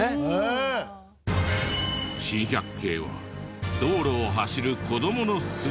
珍百景は道路を走る子供の姿。